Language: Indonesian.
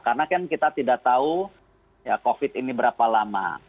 karena kan kita tidak tahu ya covid ini berapa lama